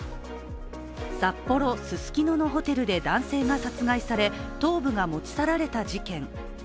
札幌・ススキノのホテルで男性が殺害され頭部が持ち去られた事件。